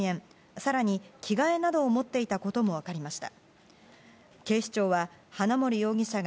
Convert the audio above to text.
更に、着替えなどを持っていたことも分かりました。